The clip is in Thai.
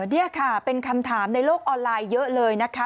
นี่ค่ะเป็นคำถามในโลกออนไลน์เยอะเลยนะคะ